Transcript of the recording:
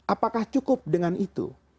apakah cukup dengan itu